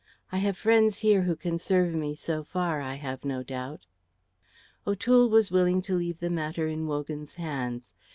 I have friends here who can serve me so far, I have no doubt." O'Toole was willing to leave the matter in Wogan's hands.